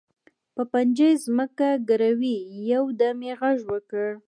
په پنجه یې ځمکه ګروي، یو دم یې غږ وکړ.